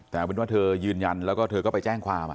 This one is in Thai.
แต่เอาเป็นว่าเธอยืนยันแล้วก็เธอก็ไปแจ้งความ